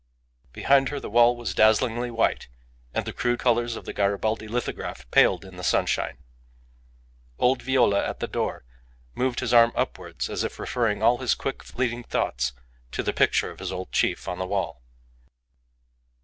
Behind her the wall was dazzlingly white, and the crude colours of the Garibaldi lithograph paled in the sunshine. Old Viola, at the door, moved his arm upwards as if referring all his quick, fleeting thoughts to the picture of his old chief on the wall.